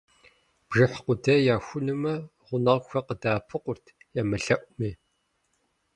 Бжыхь къудей яхунумэ, гъунэгъухэр къыдэӀэпыкъурт, емылъэӀуми.